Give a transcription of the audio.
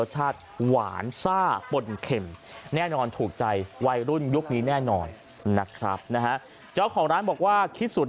รสชาติหวานซ่าปลงเข็มแน่นอนถูกใจวัยรุ่นนี้แน่นอนนะครับนะฮะเจ้าของร้านบอกว่าคิดศูนย์